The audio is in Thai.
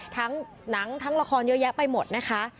หนังทั้งละครเยอะแยะไปหมดนะคะ